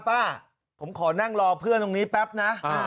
ป้าผมขอนั่งรอเพื่อนตรงนี้แป๊บนะ